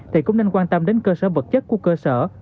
thì cũng nên quan tâm đến cơ sở vật chất của cơ sở